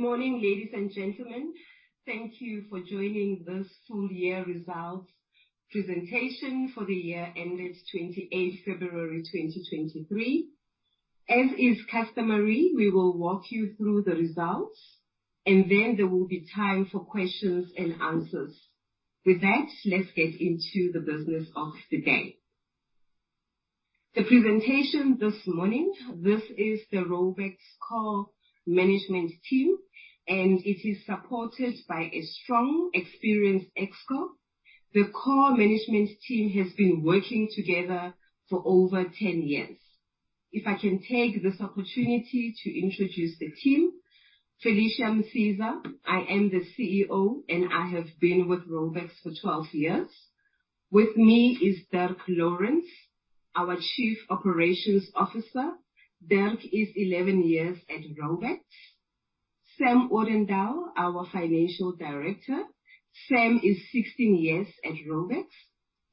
Good morning, ladies and gentlemen. Thank you for joining this full year results presentation for the year ended 28th February 2023. As is customary, we will walk you through the results, and then there will be time for questions and answers. With that, let's get into the business of the day. The presentation this morning, this is the Raubex core management team, and it is supported by a strong, experienced Exco. The core management team has been working together for over 10 years. If I can take this opportunity to introduce the team. Felicia Msiza, I am the CEO, and I have been with Raubex for 12 years. With me is Dirk Lourens, our Chief Operations Officer. Dirk is 11 years at Raubex. Sam Odendaal, our Financial Director. Sam is 16 years at Raubex.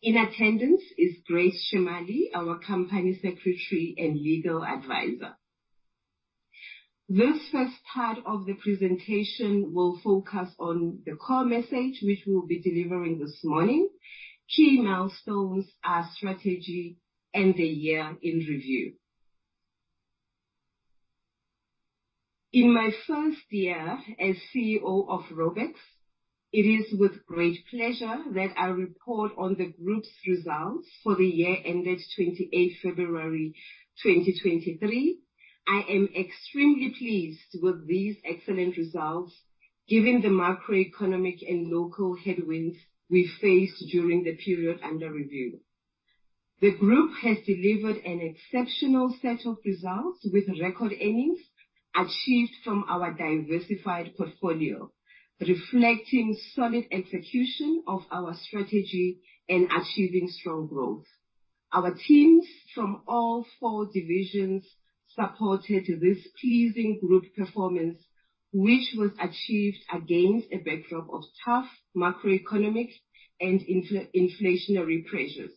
In attendance is Grace Chemaly, our Company Secretary and Legal Advisor. This first part of the presentation will focus on the core message, which we'll be delivering this morning, key milestones, our strategy, and the year in review. In my first year as CEO of Raubex, it is with great pleasure that I report on the group's results for the year ended 28th February 2023. I am extremely pleased with these excellent results, given the macroeconomic and local headwinds we faced during the period under review. The group has delivered an exceptional set of results, with record earnings achieved from our diversified portfolio, reflecting solid execution of our strategy and achieving strong growth. Our teams from all four divisions supported this pleasing group performance, which was achieved against a backdrop of tough macroeconomic and inflationary pressures.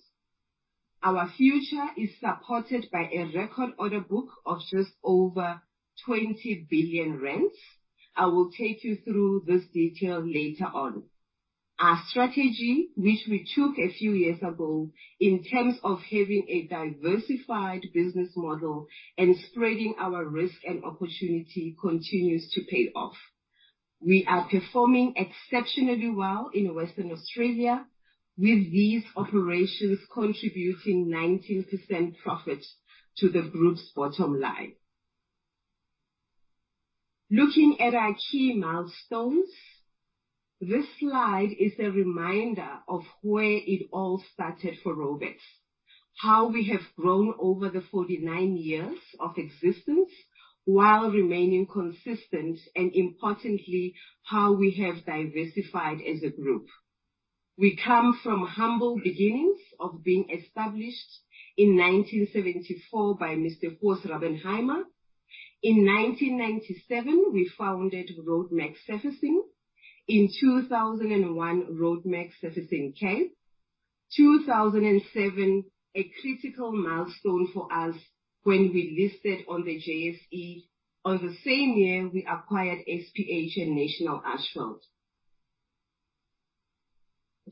Our future is supported by a record order book of just over 20 billion. I will take you through this detail later on. Our strategy, which we took a few years ago, in terms of having a diversified business model and spreading our risk and opportunity, continues to pay off. We are performing exceptionally well in Western Australia, with these operations contributing 19% profit to the group's bottom line. Looking at our key milestones, this slide is a reminder of where it all started for Raubex, how we have grown over the 49 years of existence while remaining consistent, and importantly, how we have diversified as a group. We come from humble beginnings of being established in 1974 by Mr. Koos Raubenheimer. In 1997, we founded Roadmac Surfacing. In 2001, Roadmac Surfacing Cape. 2007, a critical milestone for us when we listed on the JSE. On the same year, we acquired SPH and National Asphalt.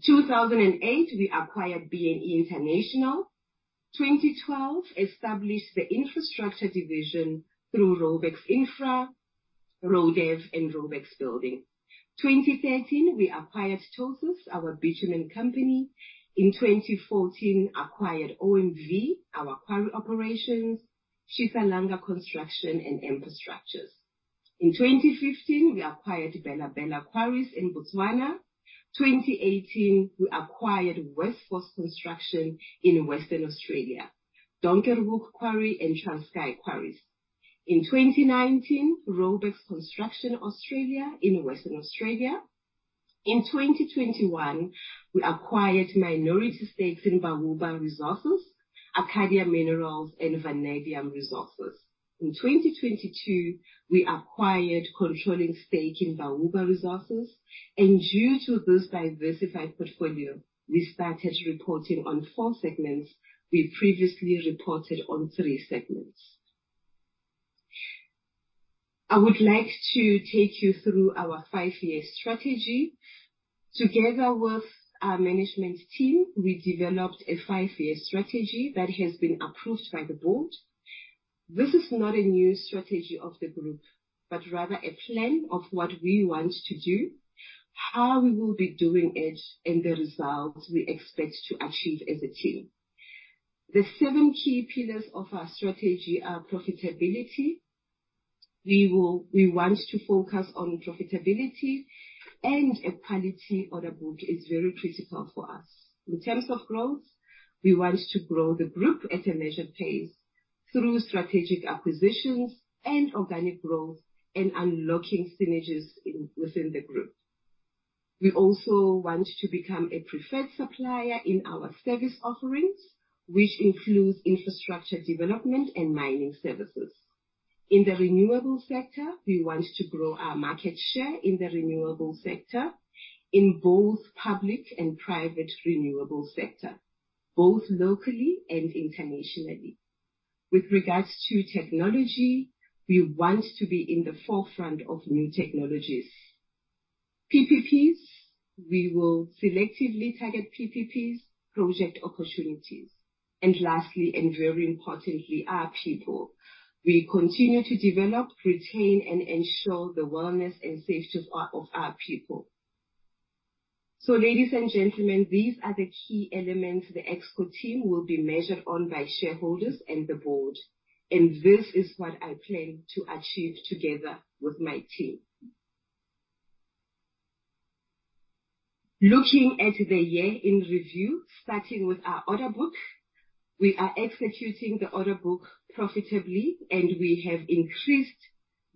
2008, we acquired B&E International. 2012, established the infrastructure division through Raubex Infra, Raudev, and Raubex Building. 2013, we acquired Tosas, our bitumen company. In 2014, acquired OMV, our quarry operations, Shisalanga Construction, and Infrastructure. In 2015, we acquired Bela-Bela Quarries in Botswana. 2018, we acquired Westforce Construction in Western Australia, Donkerhoek Quarry, and Transkei Quarries. In 2019, Raubex Construction Australia in Western Australia. In 2021, we acquired minority stakes in Bauba Resources, Arcadia Minerals, and Vanadium Resources. In 2022, we acquired controlling stake in Bauba Resources, and due to this diversified portfolio, we started reporting on four segments. We previously reported on three segments. I would like to take you through our five-year strategy. Together with our management team, we developed a five-year strategy that has been approved by the board. This is not a new strategy of the group, but rather a plan of what we want to do, how we will be doing it, and the results we expect to achieve as a team. The seven key pillars of our strategy are profitability. We want to focus on profitability, and a quality order book is very critical for us. In terms of growth, we want to grow the group at a measured pace through strategic acquisitions and organic growth and unlocking synergies in, within the group. We also want to become a preferred supplier in our service offerings, which includes infrastructure development and mining services. In the renewable sector, we want to grow our market share in the renewable sector, in both public and private renewable sector, both locally and internationally... With regards to technology, we want to be in the forefront of new technologies. PPPs, we will selectively target PPPs project opportunities. Lastly, and very importantly, our people. We continue to develop, retain, and ensure the wellness and safety of our, of our people. So ladies and gentlemen, these are the key elements the exco team will be measured on by shareholders and the board, and this is what I plan to achieve together with my team. Looking at the year in review, starting with our order book, we are executing the order book profitably, and we have increased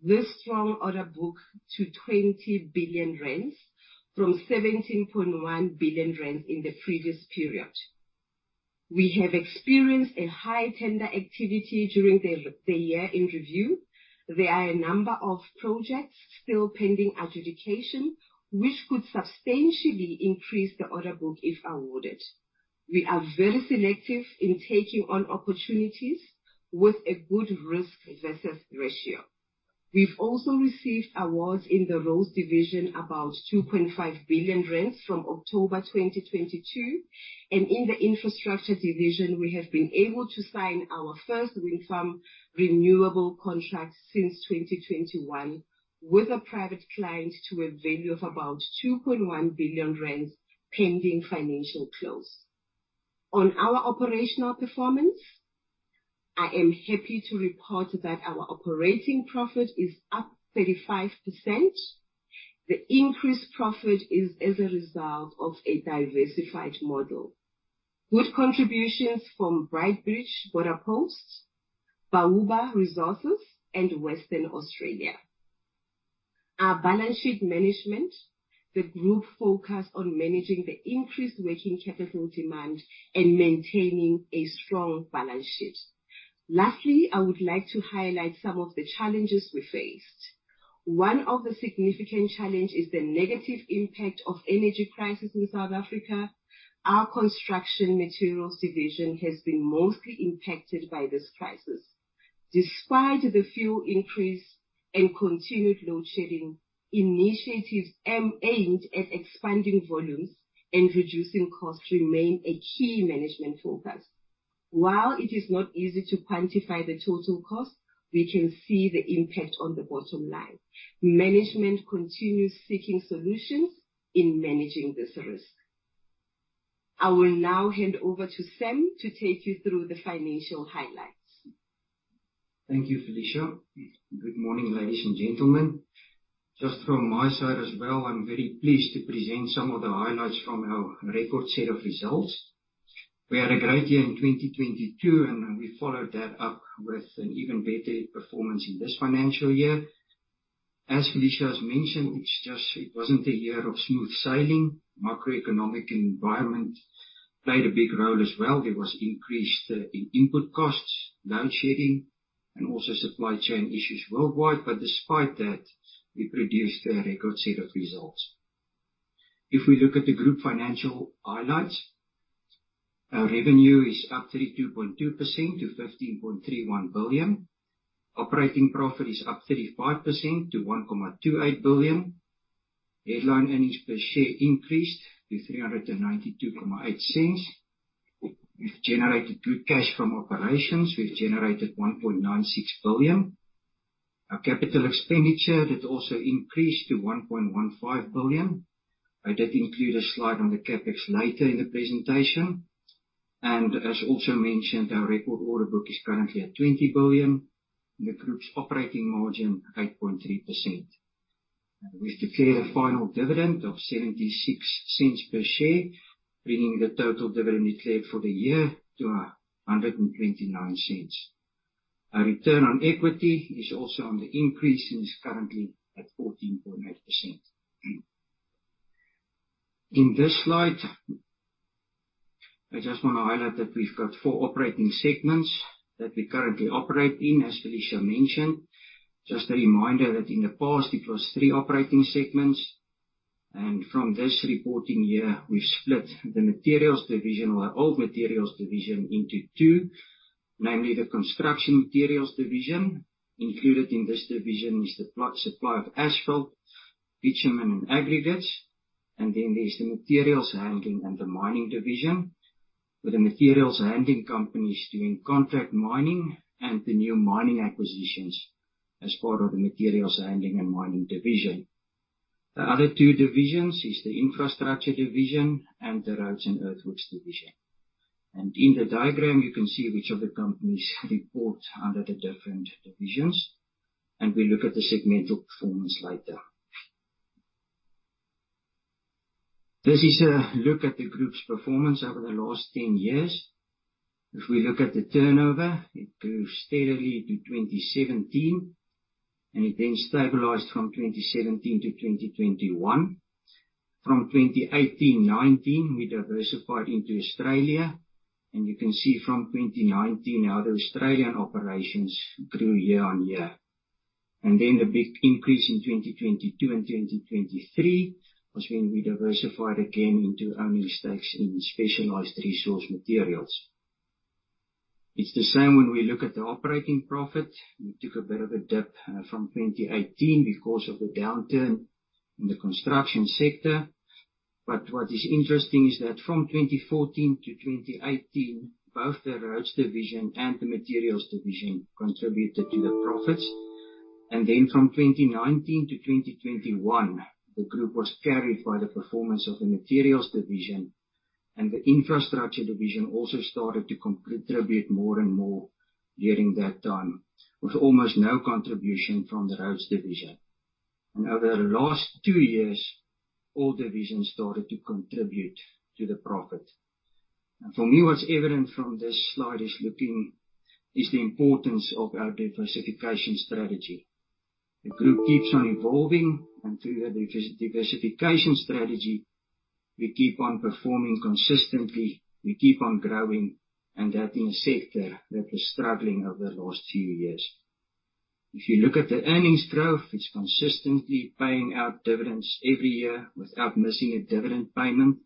this strong order book to 20 billion rand from 17.1 billion rand in the previous period. We have experienced a high tender activity during the year in review. There are a number of projects still pending adjudication, which could substantially increase the order book if awarded. We are very selective in taking on opportunities with a good risk versus ratio. We've also received awards in the roads division, about 2.5 billion from October 2022, and in the infrastructure division, we have been able to sign our first wind farm renewable contract since 2021 with a private client to a value of about 2.1 billion rand, pending financial close. On our operational performance, I am happy to report that our operating profit is up 35%. The increased profit is as a result of a diversified model. Good contributions from Beitbridge, Border Post, Bauba Resources, and Western Australia. Our balance sheet management, the group focus on managing the increased working capital demand and maintaining a strong balance sheet. Lastly, I would like to highlight some of the challenges we faced. One of the significant challenge is the negative impact of energy crisis in South Africa. Our construction materials division has been mostly impacted by this crisis. Despite the fuel increase and continued load shedding, initiatives aimed at expanding volumes and reducing costs remain a key management focus. While it is not easy to quantify the total cost, we can see the impact on the bottom line. Management continues seeking solutions in managing this risk. I will now hand over to Sam to take you through the financial highlights. Thank you, Felicia. Good morning, ladies and gentlemen. Just from my side as well, I'm very pleased to present some of the highlights from our record set of results. We had a great year in 2022, and we followed that up with an even better performance in this financial year. As Felicia has mentioned, it's just... It wasn't a year of smooth sailing. Macroeconomic environment played a big role as well. There was increase in input costs, load shedding, and also supply chain issues worldwide, but despite that, we produced a record set of results. If we look at the group financial highlights, our revenue is up 32.2% to 15.31 billion. Operating profit is up 35% to 1.28 billion. Headline earnings per share increased to 3.928. We've generated good cash from operations. We've generated 1.96 billion. Our capital expenditure, that also increased to 1.15 billion. I did include a slide on the CapEx later in the presentation, and as also mentioned, our record order book is currently at 20 billion, and the group's operating margin, 8.3%. We declare a final dividend of 0.76 per share, bringing the total dividend declared for the year 1.29. Our return on equity is also on the increase and is currently at 14.8%. In this slide, I just wanna highlight that we've got four operating segments that we currently operate in, as Felicia mentioned. Just a reminder that in the past it was three operating segments, and from this reporting year, we've split the materials division, or old materials division into two, namely the construction materials division. Included in this division is the bulk supply of asphalt, bitumen, and aggregates, and then there's the materials handling and the mining division, with the materials handling companies doing contract mining and the new mining acquisitions as part of the materials handling and mining division. The other two divisions is the infrastructure division and the roads and earthworks division. And in the diagram, you can see which of the companies report under the different divisions, and we look at the segmental performance later. This is a look at the group's performance over the last 10 years. If we look at the turnover, it grew steadily to 2017, and it then stabilized from 2017-2021. From 2018, 2019, we diversified into Australia, and you can see from 2019 how the Australian operations grew year on year.... Then the big increase in 2022 and 2023 was when we diversified again into owning stakes in specialized resource materials. It's the same when we look at the operating profit. We took a bit of a dip from 2018 because of the downturn in the construction sector. But what is interesting is that from 2014-2018, both the roads division and the materials division contributed to the profits. Then from 2019-2021, the group was carried by the performance of the materials division, and the infrastructure division also started to contribute more and more during that time, with almost no contribution from the roads division. Over the last two years, all divisions started to contribute to the profit. For me, what's evident from this slide is the importance of our diversification strategy. The group keeps on evolving, and through the diversification strategy, we keep on performing consistently, we keep on growing, and that in a sector that was struggling over the last few years. If you look at the earnings growth, it's consistently paying out dividends every year without missing a dividend payment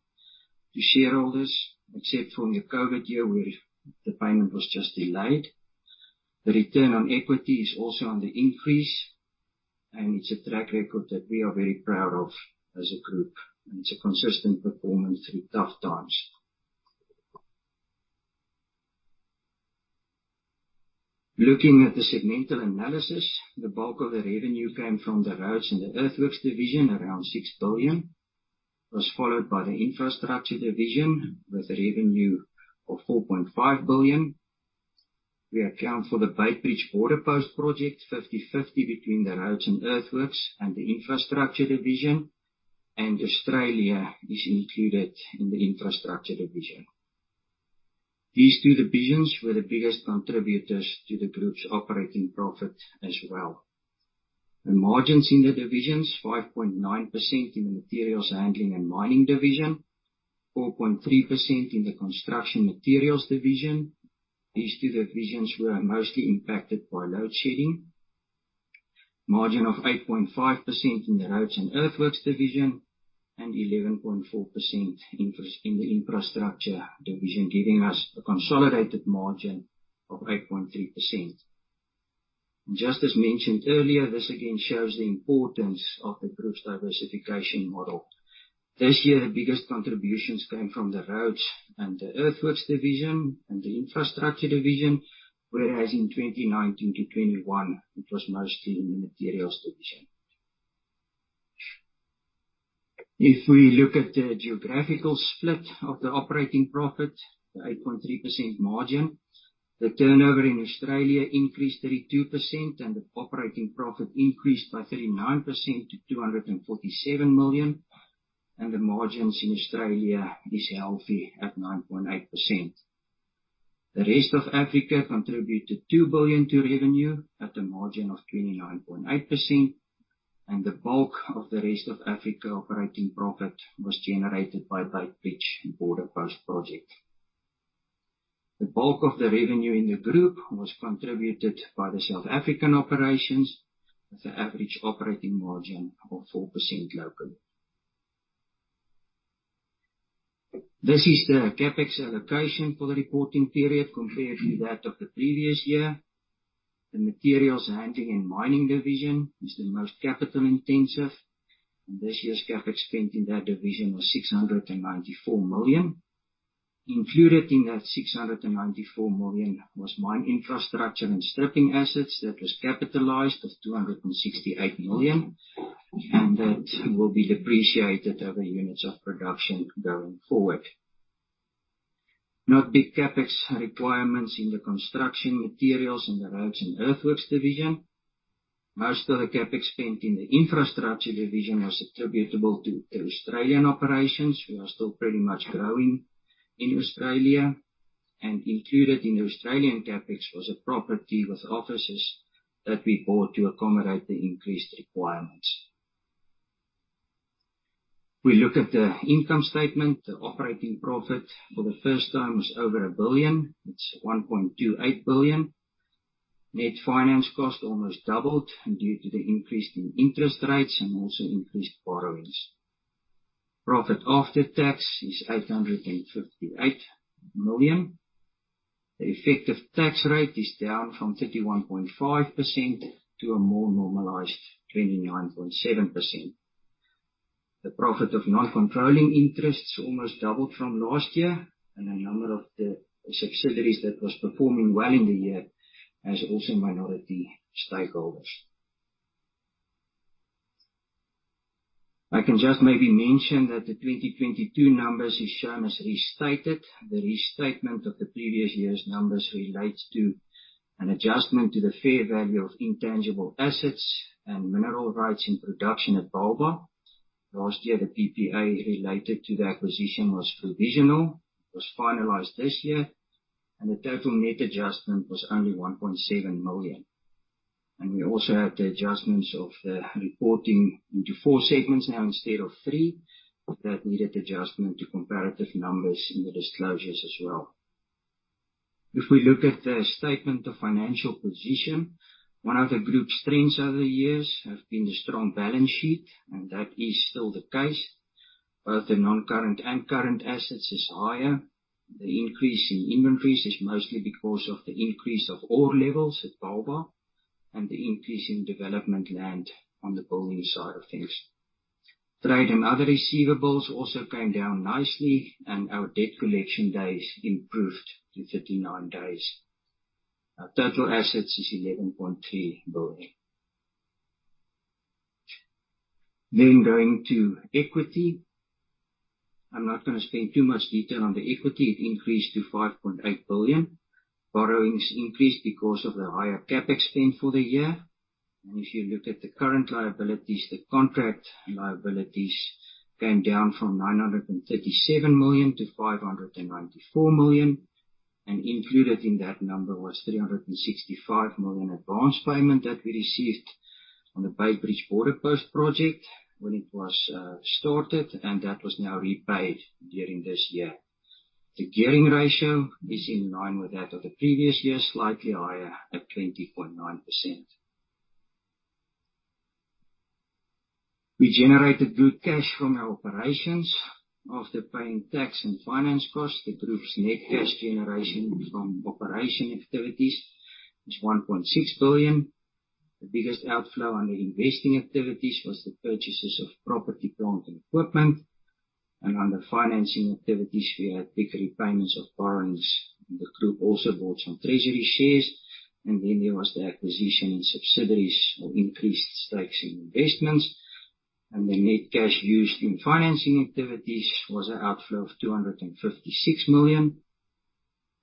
to shareholders, except from the COVID year, where the payment was just delayed. The return on equity is also on the increase, and it's a track record that we are very proud of as a group, and it's a consistent performance through tough times. Looking at the segmental analysis, the bulk of the revenue came from the roads and the earthworks division, around 6 billion. Was followed by the infrastructure division, with a revenue of 4.5 billion. We account for the Beitbridge border post project, 50/50 between the roads and earthworks, and the infrastructure division, and Australia is included in the infrastructure division. These two divisions were the biggest contributors to the group's operating profit as well. The margins in the divisions, 5.9% in the materials handling and mining division, 4.3% in the construction materials division. These two divisions were mostly impacted by load shedding. Margin of 8.5% in the roads and earthworks division, and 11.4% in the infrastructure division, giving us a consolidated margin of 8.3%. Just as mentioned earlier, this again shows the importance of the group's diversification model. This year, the biggest contributions came from the roads and the earthworks division, and the infrastructure division, whereas in 2019-2021, it was mostly in the materials division. If we look at the geographical split of the operating profit, the 8.3% margin, the turnover in Australia increased 32%, and the operating profit increased by 39% to 247 million, and the margins in Australia is healthy, at 9.8%. The rest of Africa contributed 2 billion to revenue, at a margin of 29.8%, and the bulk of the rest of Africa operating profit was generated by Beitbridge and border post project. The bulk of the revenue in the group was contributed by the South African operations, with an average operating margin of 4% locally. This is the CapEx allocation for the reporting period compared to that of the previous year. The materials handling and mining division is the most capital intensive, and this year's CapEx spend in that division was 694 million. Included in that 694 million was mine infrastructure and stripping assets that was capitalized of 268 million, and that will be depreciated over units of production going forward. Not big CapEx requirements in the construction materials and the roads and earthworks division. Most of the CapEx spend in the infrastructure division was attributable to the Australian operations. We are still pretty much growing in Australia, and included in the Australian CapEx was a property with offices that we bought to accommodate the increased requirements. We look at the income statement. The operating profit for the first time was over 1 billion. It's 1.28 billion. Net finance cost almost doubled due to the increase in interest rates and also increased borrowings. Profit after tax is 858 million. The effective tax rate is down from 31.5% to a more normalized 29.7%. The profit of non-controlling interests almost doubled from last year, and a number of the subsidiaries that was performing well in the year has also minority stakeholders. I can just maybe mention that the 2022 numbers is shown as restated. The restatement of the previous year's numbers relates to an adjustment to the fair value of intangible assets and mineral rights in production at Bauba. Last year, the PPA related to the acquisition was provisional, was finalized this year, and the total net adjustment was only 1.7 million. And we also have the adjustments of the reporting into four segments now, instead of three, that needed adjustment to comparative numbers in the disclosures as well. If we look at the statement of financial position, one of the group's strengths over the years have been the strong balance sheet, and that is still the case. Both the non-current and current assets is higher. The increase in inventories is mostly because of the increase of ore levels at Bauba, and the increase in development land on the building side of things. Trade and other receivables also came down nicely, and our debt collection days improved to 39 days. Our total assets is ZAR 11.3 billion. Then going to equity. I'm not gonna spend too much detail on the equity. It increased to 5.8 billion. Borrowings increased because of the higher CapEx spend for the year. And if you look at the current liabilities, the contract liabilities came down from 937 million to 594 million, and included in that number was 365 million advance payment that we received on the Beitbridge Border Post project when it was started, and that was now repaid during this year. The gearing ratio is in line with that of the previous year, slightly higher at 20.9%. We generated good cash from our operations. After paying tax and finance costs, the group's net cash generation from operation activities is 1.6 billion. The biggest outflow under investing activities was the purchases of property, plant, and equipment. Under financing activities, we had big repayments of borrowings, and the group also bought some treasury shares, and then there was the acquisition in subsidiaries or increased stakes in investments. The net cash used in financing activities was an outflow of 256 million,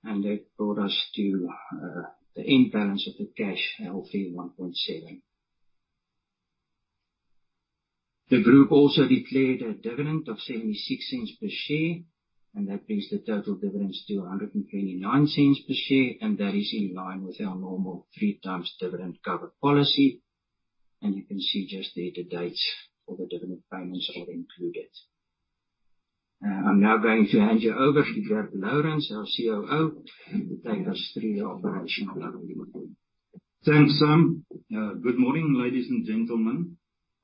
and that brought us to the end balance of the cash, a healthy 1.7. The group also declared a dividend of 0.76 per share, and that brings the total dividends to 1.29 per share, and that is in line with our normal 3x dividend cover policy. You can see just there the dates for the dividend payments are included. I'm now going to hand you over to Dirk Lourens, our COO, to take us through the operational overview. Thanks, Sam. Good morning, ladies and gentlemen.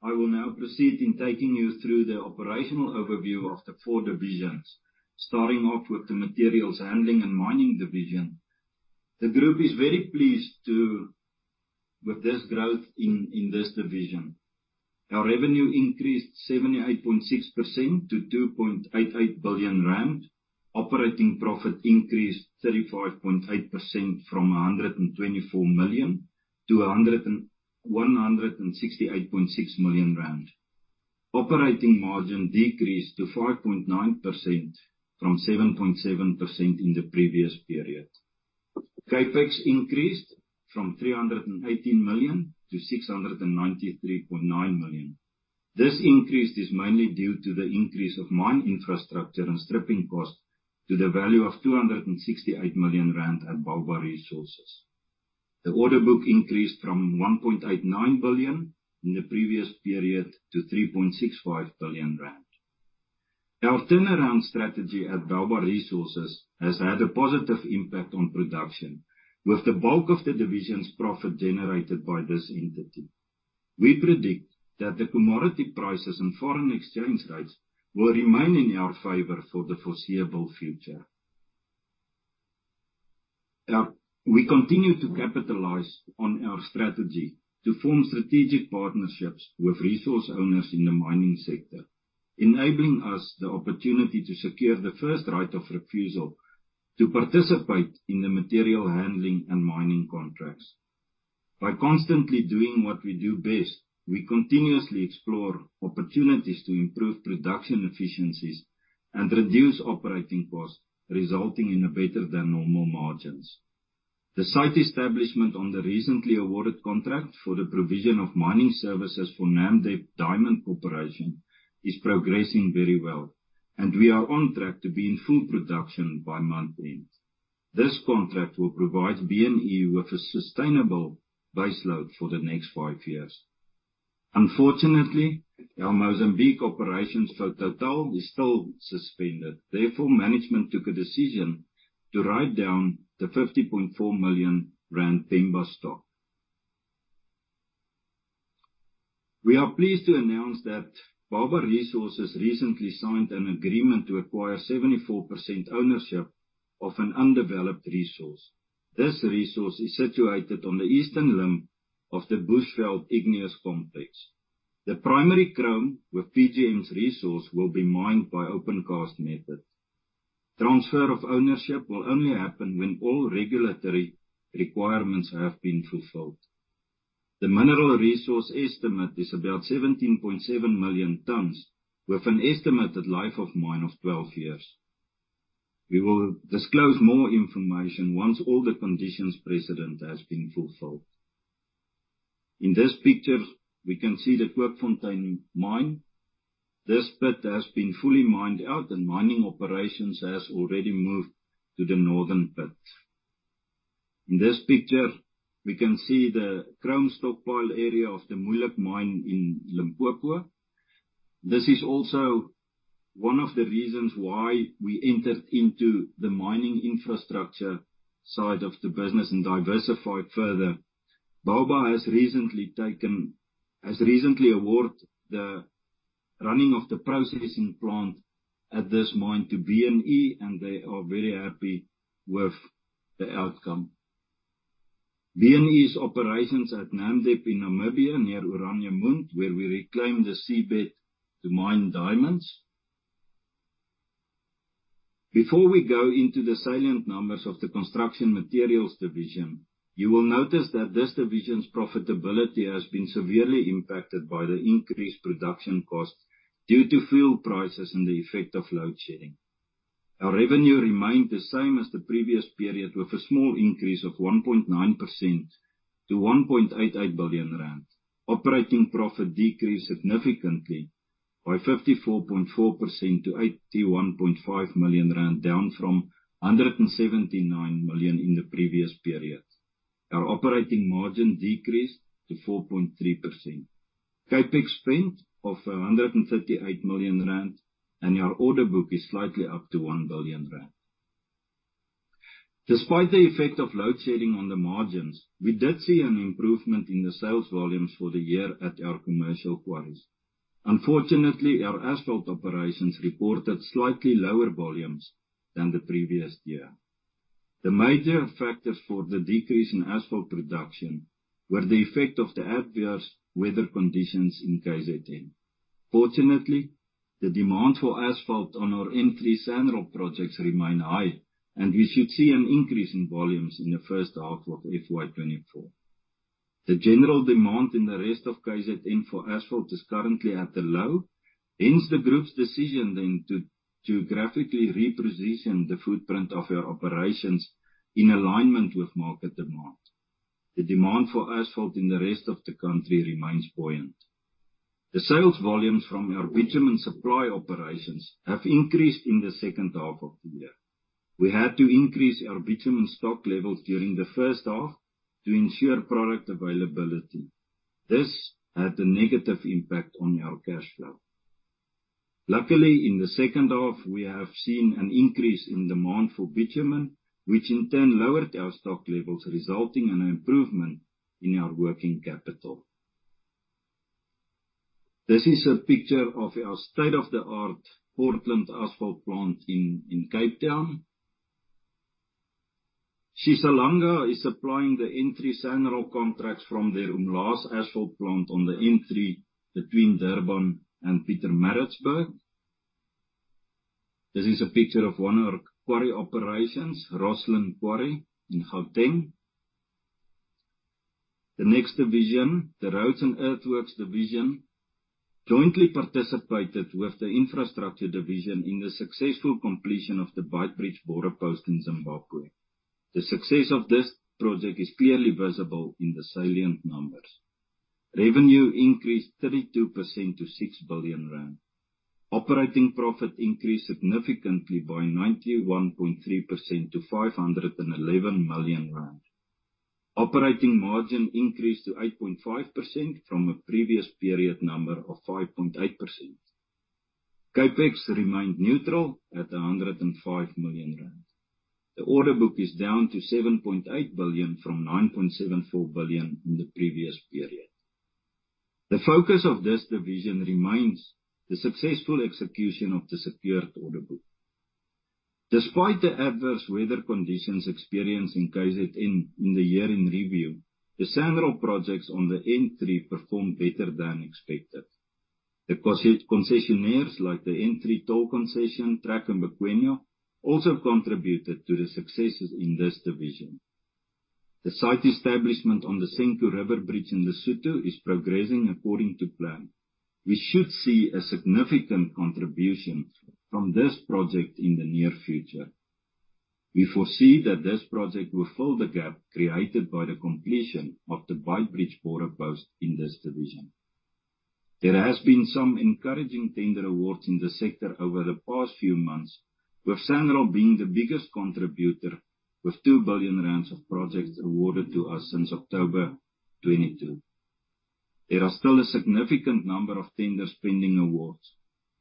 I will now proceed in taking you through the operational overview of the four divisions, starting off with the materials handling and mining division. The group is very pleased to with this growth in, in this division. Our revenue increased 78.6% to 2.8 billion rand. Operating profit increased 35.8% from 124 million-168.6 million rand. Operating margin decreased to 5.9% from 7.7% in the previous period. CapEx increased from 318 million-693.9 million. This increase is mainly due to the increase of mine infrastructure and stripping costs to the value of 268 million rand at Bauba Resources. The order book increased from 1.89 billion in the previous period to 3.65 billion rand. Our turnaround strategy at Bauba Resources has had a positive impact on production, with the bulk of the division's profit generated by this entity. We predict that the commodity prices and foreign exchange rates will remain in our favor for the foreseeable future. We continue to capitalize on our strategy to form strategic partnerships with resource owners in the mining sector, enabling us the opportunity to secure the first right of refusal to participate in the material handling and mining contracts. By constantly doing what we do best, we continuously explore opportunities to improve production efficiencies and reduce operating costs, resulting in a better than normal margins. The site establishment on the recently awarded contract for the provision of mining services for Namdeb Diamond Corporation is progressing very well, and we are on track to be in full production by month end. This contract will provide B&E with a sustainable baseload for the next five years. Unfortunately, our Mozambique operations for Total is still suspended, therefore, management took a decision to write down the 50.4 million rand Pemba stock. We are pleased to announce that Bauba Resources recently signed an agreement to acquire 74% ownership of an undeveloped resource. This resource is situated on the eastern limb of the Bushveld Igneous Complex. The primary chrome with PGMs resource will be mined by opencast method. Transfer of ownership will only happen when all regulatory requirements have been fulfilled. The mineral resource estimate is about 17.7 million tons, with an estimated life of mine of 12 years. We will disclose more information once all the conditions precedent has been fulfilled. In this picture, we can see the Kookfontein mine. This pit has been fully mined out, and mining operations has already moved to the northern pit. In this picture, we can see the chrome stockpile area of the Moeijelijk mine in Limpopo. This is also one of the reasons why we entered into the mining infrastructure side of the business and diversified further. Bauba has recently taken, has recently awarded the running of the processing plant at this mine to B&E, and they are very happy with the outcome. B&E's operations at Namdeb in Namibia, near Oranjemund, where we reclaim the seabed to mine diamonds. Before we go into the salient numbers of the construction materials division, you will notice that this division's profitability has been severely impacted by the increased production costs due to fuel prices and the effect of load shedding. Our revenue remained the same as the previous period, with a small increase of 1.9% to 1.88 billion rand. Operating profit decreased significantly by 54.4% to 81.5 million rand, down from 179 million in the previous period. Our operating margin decreased to 4.3%. CapEx spend of 138 million rand, and our order book is slightly up to 1 billion rand. Despite the effect of load shedding on the margins, we did see an improvement in the sales volumes for the year at our commercial quarries. Unfortunately, our asphalt operations reported slightly lower volumes than the previous year. The major factors for the decrease in asphalt production were the effect of the adverse weather conditions in KZN. Fortunately, the demand for asphalt on our N3 SANRAL projects remain high, and we should see an increase in volumes in the first half of FY 2024. The general demand in the rest of KZN for asphalt is currently at a low, hence the group's decision then to geographically reposition the footprint of our operations in alignment with market demand. The demand for asphalt in the rest of the country remains buoyant. The sales volumes from our bitumen supply operations have increased in the second half of the year. We had to increase our bitumen stock levels during the first half to ensure product availability. This had a negative impact on our cash flow. Luckily, in the second half, we have seen an increase in demand for bitumen, which in turn lowered our stock levels, resulting in an improvement in our working capital. This is a picture of our state-of-the-art Portland asphalt plant in Cape Town. Shisalanga is supplying the N3 SANRAL contracts from their Umlaas asphalt plant on the N3 between Durban and Pietermaritzburg. This is a picture of one of our quarry operations, Rosslyn Quarry in Gauteng. The next division, the Roads and Earthworks division, jointly participated with the infrastructure division in the successful completion of the Beitbridge border post in Zimbabwe. The success of this project is clearly visible in the salient numbers. Revenue increased 32% to 6 billion rand. Operating profit increased significantly by 91.3% to 511 million rand. Operating margin increased to 8.5% from a previous period number of 5.8%. CapEx remained neutral at 105 million rand. The order book is down to 7.8 billion from 9.74 billion in the previous period. The focus of this division remains the successful execution of the secured order book. Despite the adverse weather conditions experienced in KZN in the year in review, the SANRAL projects on the N3 performed better than expected. The concessionaires, like the N3 toll concession, TRAC and Bakwena, also contributed to the successes in this division. The site establishment on the Senqu River Bridge in Lesotho is progressing according to plan. We should see a significant contribution from this project in the near future. We foresee that this project will fill the gap created by the completion of the Beitbridge border post in this division. There has been some encouraging tender awards in the sector over the past few months, with SANRAL being the biggest contributor, with 2 billion rand of projects awarded to us since October 2022. There are still a significant number of tenders pending awards.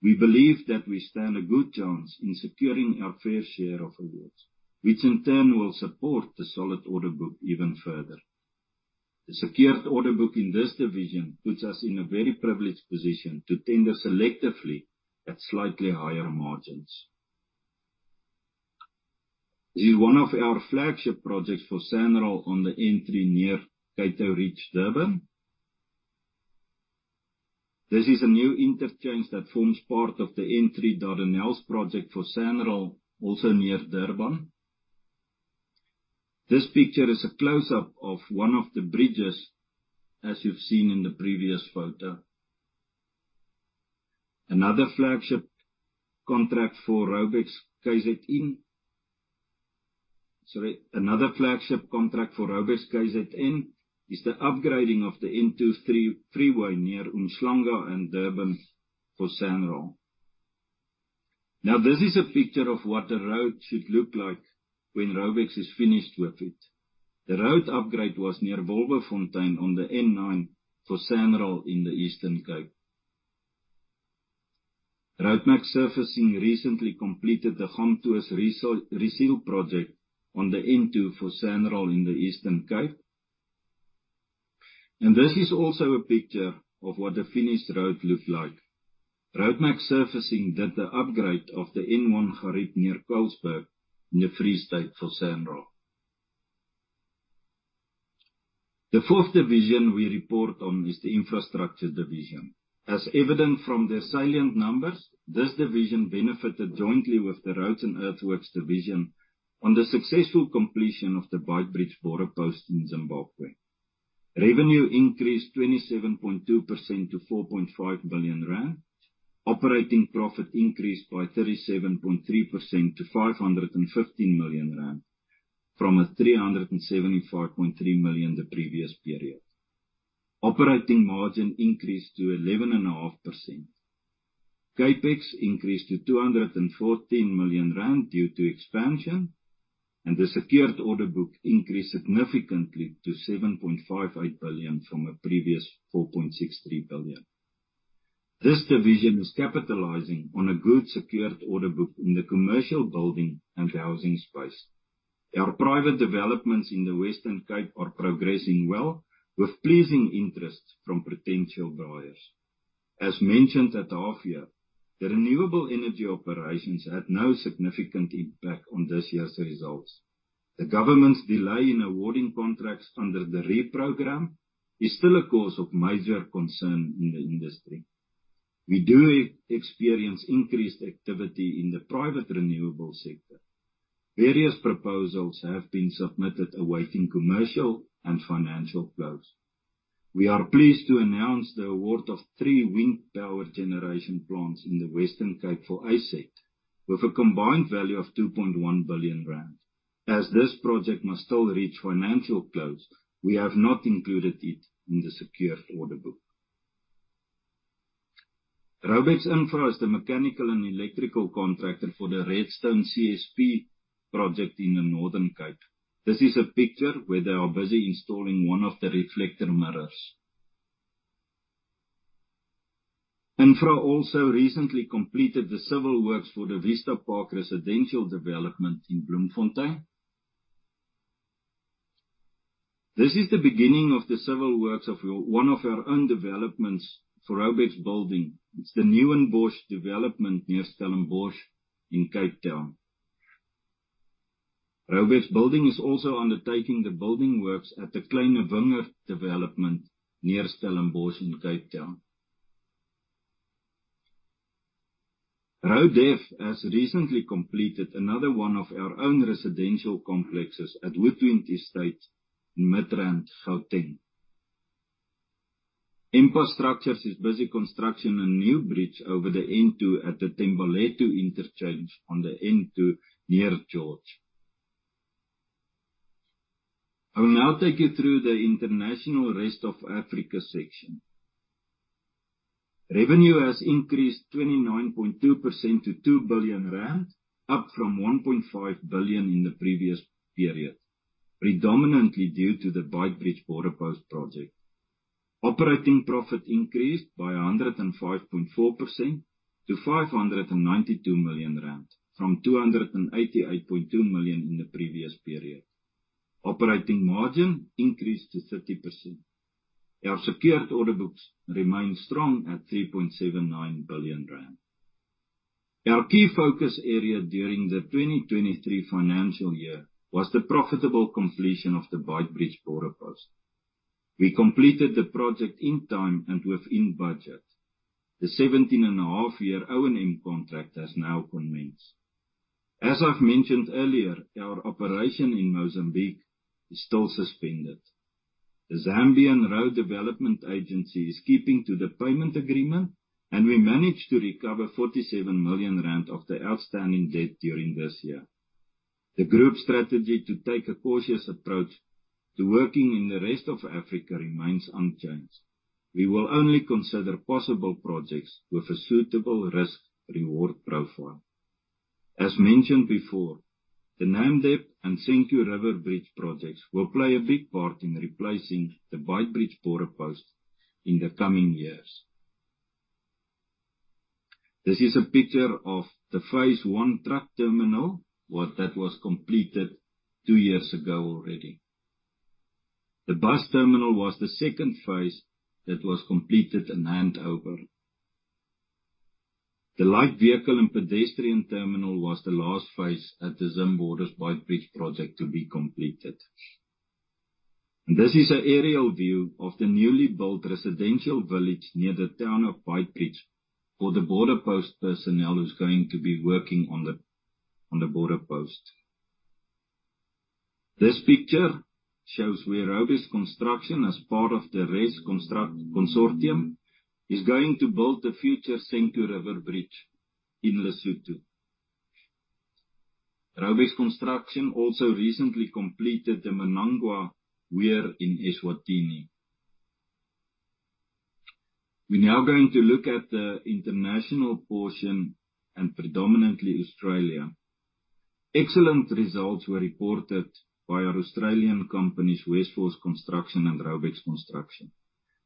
We believe that we stand a good chance in securing our fair share of awards, which in turn will support the solid order book even further. The secured order book in this division puts us in a very privileged position to tender selectively at slightly higher margins. This is one of our flagship projects for SANRAL on the N3 near Cato Ridge, Durban. This is a new interchange that forms part of the N3 Dardanelles project for SANRAL, also near Durban. This picture is a close-up of one of the bridges, as you've seen in the previous photo. Another flagship contract for Raubex KZN... Sorry, another flagship contract for Raubex KZN is the upgrading of the N3 freeway near Umhlanga and Durban for SANRAL. Now, this is a picture of what the road should look like when Raubex is finished with it. The road upgrade was near Wolwefontein on the N9 for SANRAL in the Eastern Cape. Roadmac Surfacing recently completed the Gamtoos reseal project on the N2 for SANRAL in the Eastern Cape. And this is also a picture of what the finished road looked like. Roadmac Surfacing did the upgrade of the N1 Gariep near Colesberg in the Free State for SANRAL. The fourth division we report on is the infrastructure division. As evident from the salient numbers, this division benefited jointly with the roads and earthworks division on the successful completion of the Beitbridge border post in Zimbabwe. Revenue increased 27.2% to 4.5 billion rand. Operating profit increased by 37.3% to 515 million rand, from 375.3 million the previous period. Operating margin increased to 11.5%. CapEx increased to 214 million rand due to expansion, and the secured order book increased significantly to 7.58 billion from a previous 4.63 billion. This division is capitalizing on a good secured order book in the commercial building and housing space. Our private developments in the Western Cape are progressing well, with pleasing interests from potential buyers. As mentioned at half year, the renewable energy operations had no significant impact on this year's results. The government's delay in awarding contracts under the REIPPPP program is still a cause of major concern in the industry. We do experience increased activity in the private renewable sector. Various proposals have been submitted, awaiting commercial and financial close. We are pleased to announce the award of three wind power generation plants in the Western Cape for ACED, with a combined value of 2.1 billion rand. As this project must still reach financial close, we have not included it in the secured order book. Raubex Infra is the mechanical and electrical contractor for the Redstone CSP project in the Northern Cape. This is a picture where they are busy installing one of the reflector mirrors. Infra also recently completed the civil works for the Vista Park residential development in Bloemfontein. This is the beginning of the civil works of one of our own developments for Raubex Building. It's the Newinbosch development near Stellenbosch in Cape Town. Raubex Building is also undertaking the building works at the Kleine Wingerd development near Stellenbosch in Cape Town. Raudev has recently completed another one of our own residential complexes at Woodwind Estate in Midrand, Gauteng. Raubex Infra is busy constructing a new bridge over the N2 at the Thembalethu interchange on the N2 near George. I will now take you through the international rest of Africa section. Revenue has increased 29.2% to 2 billion rand, up from 1.5 billion in the previous period, predominantly due to the Beitbridge border post project. Operating profit increased by 105.4% to 592 million rand, from 288.2 million in the previous period. Operating margin increased to 30%. Our secured order books remain strong at 3.79 billion rand. Our key focus area during the 2023 financial year was the profitable completion of the Beitbridge border post. We completed the project in time and within budget. The 17.5-year O&M contract has now commenced. As I've mentioned earlier, our operation in Mozambique is still suspended. The Zambian Road Development Agency is keeping to the payment agreement, and we managed to recover 47 million rand of the outstanding debt during this year. The group's strategy to take a cautious approach to working in the rest of Africa remains unchanged. We will only consider possible projects with a suitable risk/reward profile. As mentioned before, the Namdeb and Senqu River Bridge projects will play a big part in replacing the Beitbridge border post in the coming years. This is a picture of the phase I truck terminal, what that was completed two years ago already. The bus terminal was the second phase that was completed and handed over. The light vehicle and pedestrian terminal was the last phase at the Zimborders Beitbridge project to be completed. And this is an aerial view of the newly built residential village near the town of Beitbridge, for the border post personnel who's going to be working on the border post. This picture shows where Raubex Construction, as part of the WRES Construct consortium, is going to build the future Senqu River Bridge in Lesotho. Raubex Construction also recently completed the Mananga Weir in Eswatini. We're now going to look at the international portion, and predominantly Australia. Excellent results were reported by our Australian companies, Westforce Construction and Raubex Construction.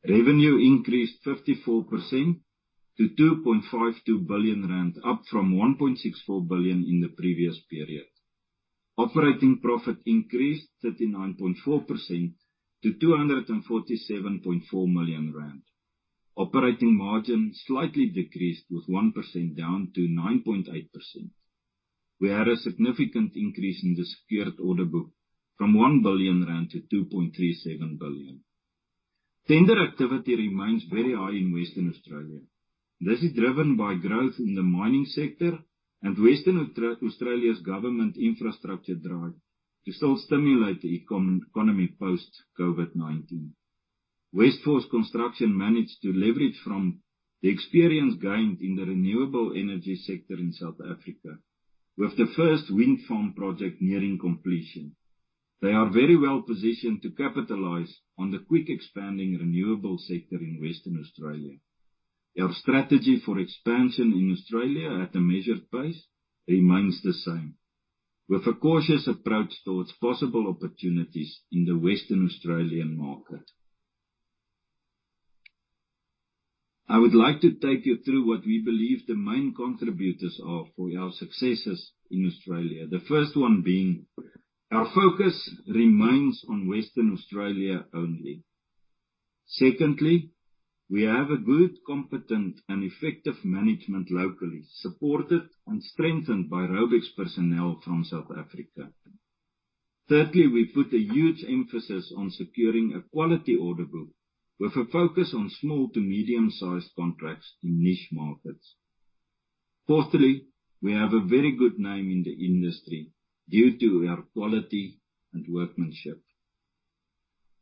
Revenue increased 54% to 2.52 billion rand, up from 1.64 billion in the previous period. Operating profit increased 39.4% to 247.4 million rand. Operating margin slightly decreased with 1%, down to 9.8%. We had a significant increase in the secured order book from 1 billion-2.37 billion rand. Tender activity remains very high in Western Australia. This is driven by growth in the mining sector and Western Australia's government infrastructure drive to still stimulate the economy post-COVID-19. Westforce Construction managed to leverage from the experience gained in the renewable energy sector in South Africa, with the first wind farm project nearing completion. They are very well positioned to capitalize on the quick expanding renewable sector in Western Australia. Our strategy for expansion in Australia, at a measured pace, remains the same, with a cautious approach towards possible opportunities in the Western Australian market. I would like to take you through what we believe the main contributors are for our successes in Australia. The first one being, our focus remains on Western Australia only. Secondly, we have a good, competent, and effective management locally, supported and strengthened by Raubex personnel from South Africa. Thirdly, we put a huge emphasis on securing a quality order book, with a focus on small to medium-sized contracts in niche markets. Fourthly, we have a very good name in the industry due to our quality and workmanship.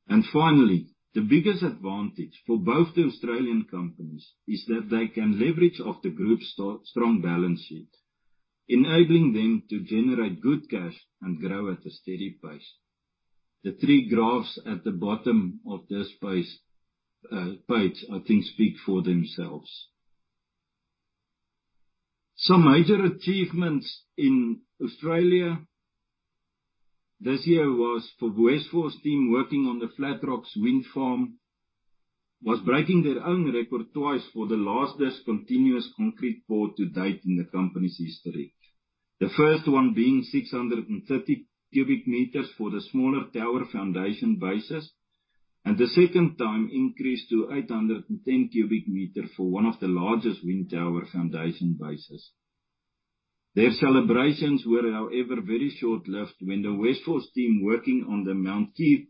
And finally, the biggest advantage for both the Australian companies is that they can leverage off the group's strong balance sheet, enabling them to generate good cash and grow at a steady pace. The three graphs at the bottom of this space, page, I think, speak for themselves. Some major achievements in Australia this year was for Westforce team working on the Flat Rocks Wind Farm, was breaking their own record twice for the largest continuous concrete pour to date in the company's history. The first one being 630 m³ for the smaller tower foundation bases, and the second time increased to 810 m³ for one of the largest wind tower foundation bases. Their celebrations were, however, very short-lived when the Westforce team working on the Mount Keith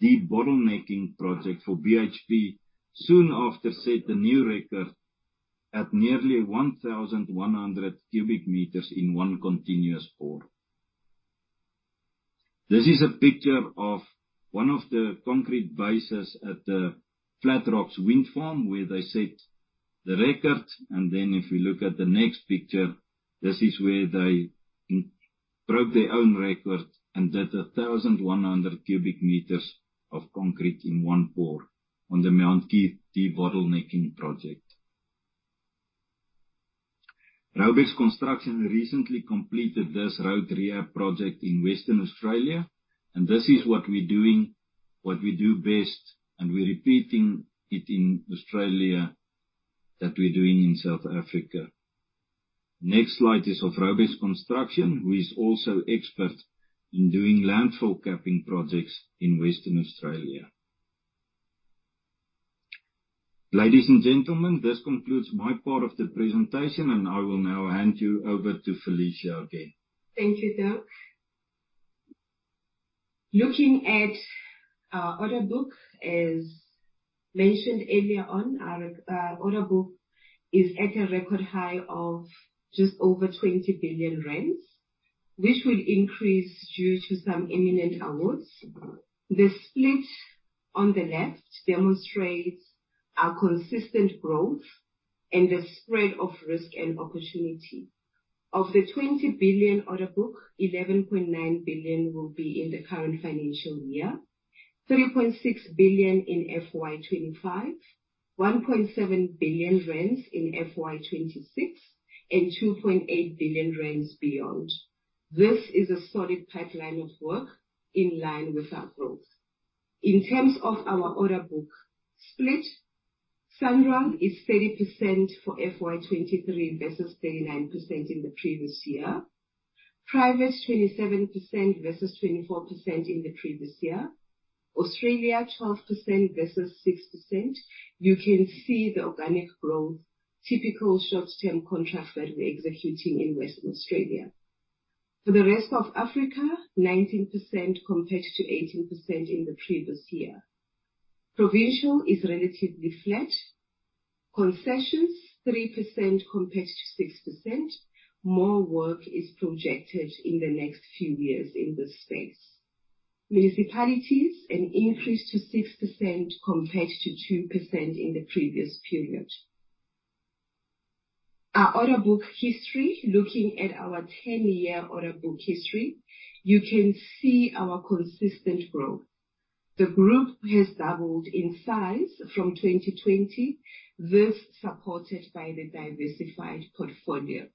debottlenecking project for BHP soon after set a new record at nearly 1,100 m³ in one continuous pour. This is a picture of one of the concrete bases at the Flat Rocks Wind Farm, where they set the record. And then if we look at the next picture, this is where they broke their own record and did 1,100 m³ of concrete in one pour on the Mount Keith debottlenecking project. Raubex Construction recently completed this road rehab project in Western Australia, and this is what we're doing, what we do best, and we're repeating it in Australia that we're doing in South Africa. Next slide is of Raubex Construction, who is also expert in doing landfill capping projects in Western Australia. Ladies and gentlemen, this concludes my part of the presentation, and I will now hand you over to Felicia again. Thank you, Dirk. Looking at our order book, as mentioned earlier on, our order book is at a record high of just over 20 billion rand, which will increase due to some imminent awards. The split on the left demonstrates our consistent growth and the spread of risk and opportunity. Of the 20 billion order book, 11.9 billion will be in the current financial year, 3.6 billion in FY 2025, 1.7 billion in FY 2026, and 2.8 billion beyond. This is a solid pipeline of work in line with our growth. In terms of our order book split, SANRAL is 30% for FY 2023 versus 39% in the previous year. Private, 27% versus 24% in the previous year. Australia, 12% versus 6%. You can see the organic growth, typical short-term contracts that we're executing in Western Australia. For the rest of Africa, 19% compared to 18% in the previous year. Provincial is relatively flat. Concessions, 3% compared to 6%. More work is projected in the next few years in this space. Municipalities, an increase to 6% compared to 2% in the previous period. Our order book history, looking at our ten-year order book history, you can see our consistent growth. The group has doubled in size from 2020, this supported by the diversified portfolio.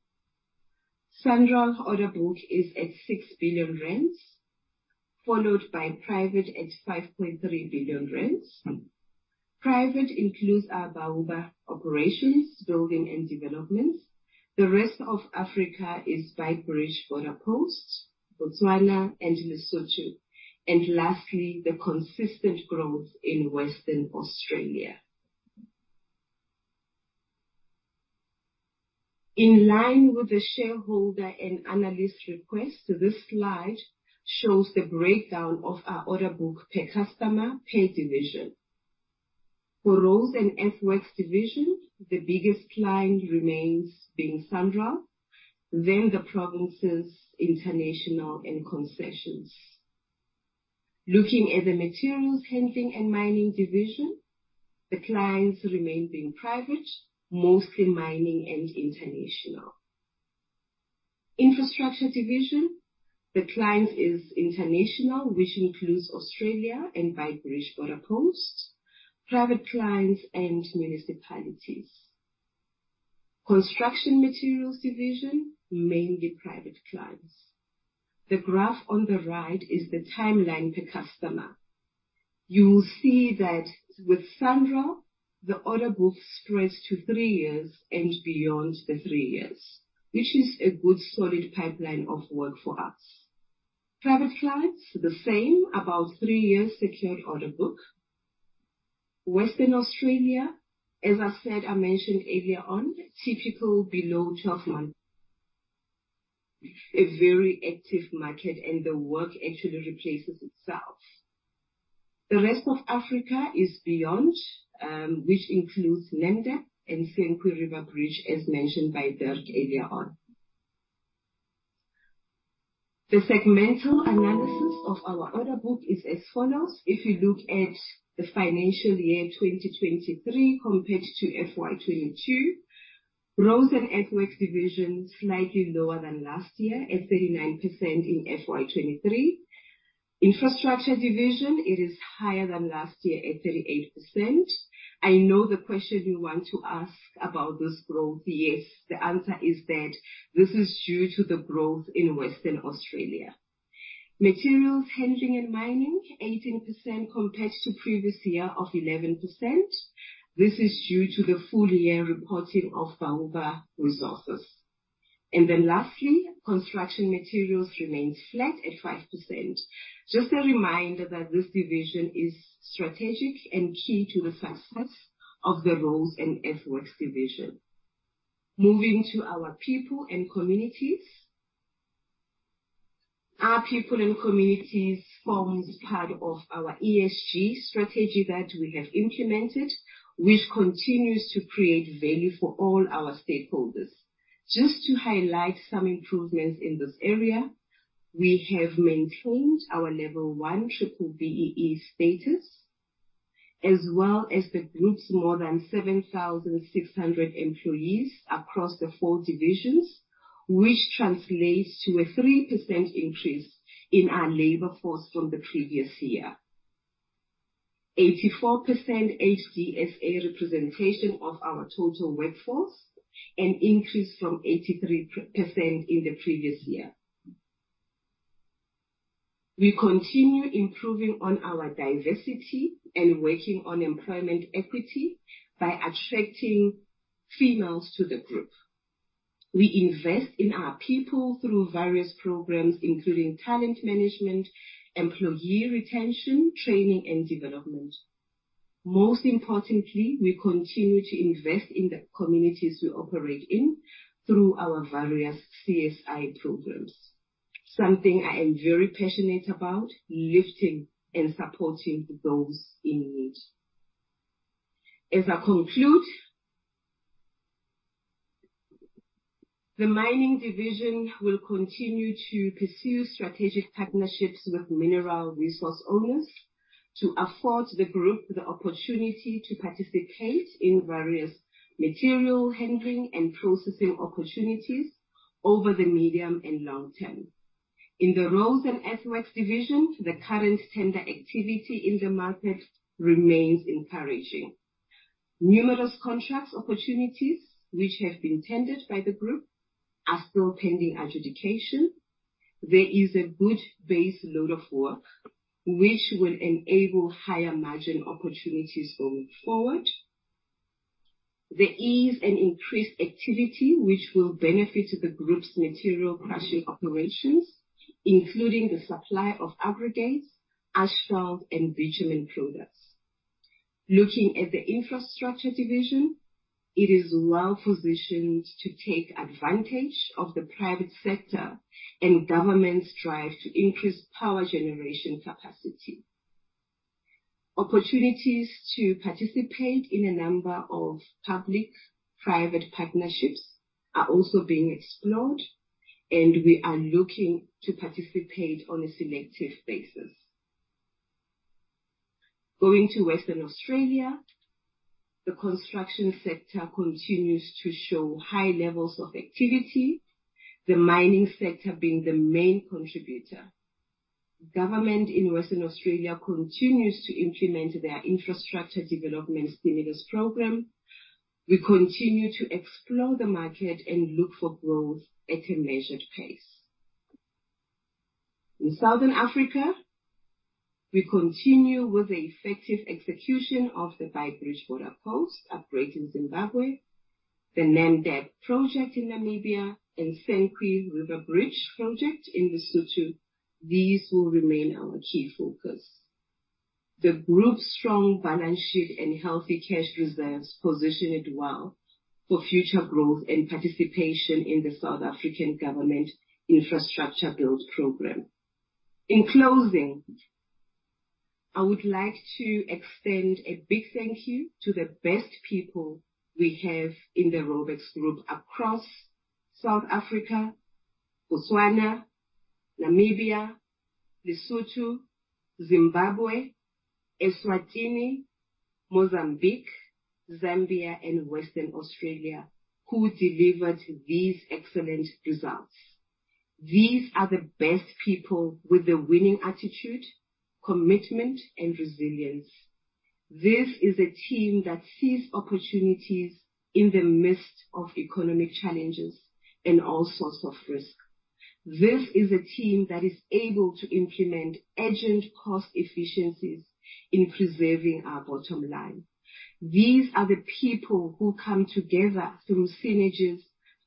SANRAL order book is at 6 billion, followed by private at 5.3 billion. Private includes our Bauba operations, building, and developments. The rest of Africa is Beitbridge border post, Botswana, and Lesotho, and lastly, the consistent growth in Western Australia. In line with the shareholder and analyst request, this slide shows the breakdown of our order book per customer, per division. For Roads and Earthworks division, the biggest client remains being SANRAL, then the provinces, international, and concessions. Looking at the Materials Handling and Mining division, the clients remain being private, mostly mining and international. Infrastructure division, the client is international, which includes Australia and Beitbridge border post, private clients, and municipalities. Construction materials division, mainly private clients. The graph on the right is the timeline per customer. You will see that with SANRAL, the order book spreads to three years and beyond the three years, which is a good, solid pipeline of work for us. Private clients, the same, about three years secured order book. Western Australia, as I said, I mentioned earlier on, typical below 12 months. A very active market, and the work actually replaces itself. The rest of Africa is beyond, which includes Namdeb and Senqu River Bridge, as mentioned by Dirk earlier on. The segmental analysis of our order book is as follows: If you look at the financial year 2023 compared to FY 2022, Roads and Earthworks division, slightly lower than last year at 39% in FY 2023. Infrastructure division, it is higher than last year at 38%. I know the question you want to ask about this growth. Yes, the answer is that this is due to the growth in Western Australia. Materials handling and mining, 18% compared to previous year of 11%. This is due to the full year reporting of Bauba Resources. And then lastly, construction materials remains flat at 5%. Just a reminder that this division is strategic and key to the success of the Roads and Earthworks division. Moving to our people and communities. Our people and communities forms part of our ESG strategy that we have implemented, which continues to create value for all our stakeholders. Just to highlight some improvements in this area, we have maintained our level one triple BEE status, as well as the group's more than 7,600 employees across the four divisions, which translates to a 3% increase in our labor force from the previous year. 84% HDSA representation of our total workforce, an increase from 83% in the previous year. We continue improving on our diversity and working on employment equity by attracting females to the group. We invest in our people through various programs, including talent management, employee retention, training, and development. Most importantly, we continue to invest in the communities we operate in through our various CSI programs. Something I am very passionate about, lifting and supporting those in need. As I conclude, the mining division will continue to pursue strategic partnerships with mineral resource owners to afford the group the opportunity to participate in various material handling and processing opportunities over the medium and long term. In the Roads and Earthworks division, the current tender activity in the market remains encouraging. Numerous contract opportunities, which have been tendered by the group, are still pending adjudication. There is a good base load of work which will enable higher margin opportunities going forward. There is an increased activity which will benefit the group's material crushing operations, including the supply of aggregates, asphalt, and bitumen products. Looking at the infrastructure division, it is well-positioned to take advantage of the private sector and government's drive to increase power generation capacity. Opportunities to participate in a number of public-private partnerships are also being explored, and we are looking to participate on a selective basis. Going to Western Australia, the construction sector continues to show high levels of activity, the mining sector being the main contributor. Government in Western Australia continues to implement their infrastructure development stimulus program. We continue to explore the market and look for growth at a measured pace. In Southern Africa, we continue with the effective execution of the Beitbridge Border Post upgrade in Zimbabwe, the Namdeb project in Namibia, and Senqu River Bridge project in Lesotho. These will remain our key focus. The group's strong balance sheet and healthy cash reserves position it well for future growth and participation in the South African government infrastructure build program. In closing, I would like to extend a big thank you to the best people we have in the Raubex Group across South Africa, Botswana, Namibia, Lesotho, Zimbabwe, Eswatini, Mozambique, Zambia and Western Australia, who delivered these excellent results. These are the best people with the winning attitude, commitment, and resilience. This is a team that sees opportunities in the midst of economic challenges and all sorts of risk. This is a team that is able to implement urgent cost efficiencies in preserving our bottom line. These are the people who come together through synergies,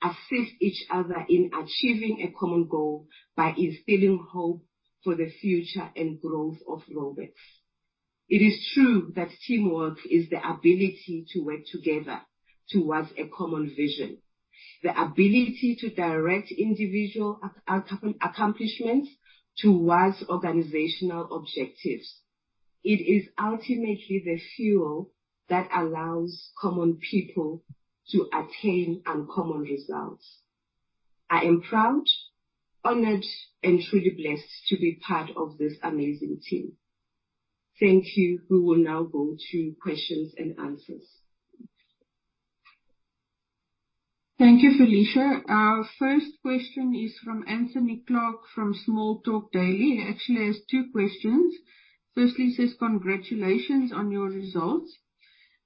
assist each other in achieving a common goal by instilling hope for the future and growth of Raubex. It is true that teamwork is the ability to work together towards a common vision, the ability to direct individual accomplishments towards organizational objectives. It is ultimately the fuel that allows common people to attain uncommon results. I am proud, honored, and truly blessed to be part of this amazing team. Thank you. We will now go to questions and answers. Thank you, Felicia. Our first question is from Anthony Clark, from Small Talk Daily. He actually has two questions. Firstly, he says, "Congratulations on your results."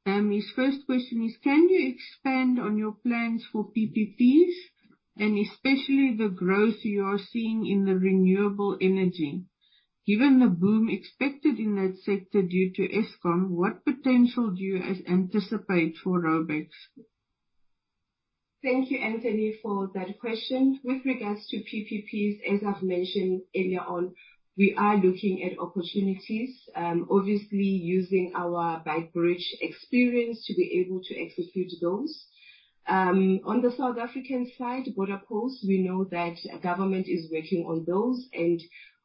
His first question is: "Can you expand on your plans for PPPs, and especially the growth you are seeing in the renewable energy? Given the boom expected in that sector due to Eskom, what potential do you anticipate for Raubex? Thank you, Anthony, for that question. With regards to PPPs, as I've mentioned earlier on, we are looking at opportunities, obviously using our Beitbridge experience to be able to execute those. On the South African side, border posts, we know that government is working on those, and